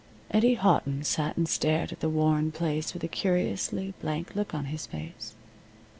Eddie Houghton sat and stared at the worn place with a curiously blank look on his face.